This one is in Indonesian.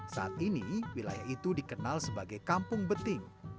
saat ini wilayah itu dikenal sebagai kampung beting